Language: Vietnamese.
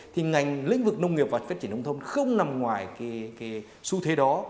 thì ngành lĩnh vực nông nghiệp và phát triển nông thôn không nằm ngoài su thế đó